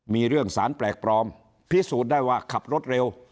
มีเรื่องสารแปลกปลอมพิสูจน์ได้ว่าขับรถเร็ว